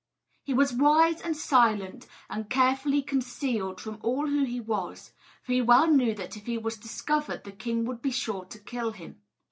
He was wise and silent, and carefully concealed from all who he was; for he well knew that if he was discovered the king would be sure to kill him.